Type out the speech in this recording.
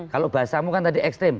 kalau bahasamu kan tadi ekstrim